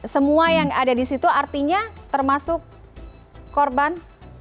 semua yang ada di situ artinya termasuk korban